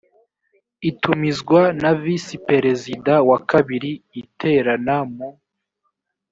itumizwa na visi perezida wa kabiri iterana mu